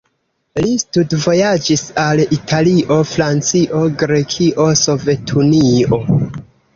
Li studvojaĝis al Italio, Francio, Grekio, Sovetunio.